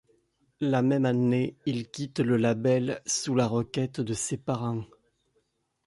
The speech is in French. La même année, il quitte le label sous la requête de ses parents.